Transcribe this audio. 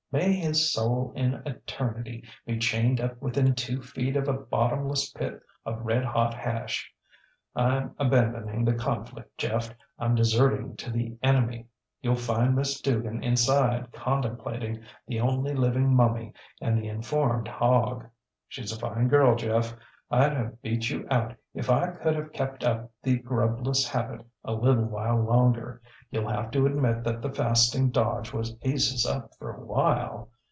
May his soul in eternity be chained up within two feet of a bottomless pit of red hot hash. IŌĆÖm abandoning the conflict, Jeff; IŌĆÖm deserting to the enemy. YouŌĆÖll find Miss Dugan inside contemplating the only living mummy and the informed hog. SheŌĆÖs a fine girl, Jeff. IŌĆÖd have beat you out if I could have kept up the grubless habit a little while longer. YouŌĆÖll have to admit that the fasting dodge was aces up for a while.